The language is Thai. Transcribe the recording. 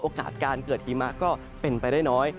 โอกาสการเกิดฮีมาก็เป็นไปได้น้อย